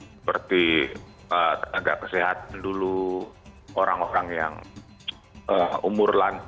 seperti agak kesehatan dulu orang orang yang umur lain